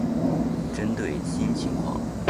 针对新情况